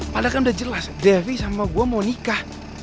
padahal kan udah jelas devi sama gue mau nikah